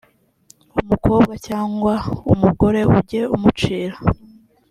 umukobwa cyangwa umugore ujye umucira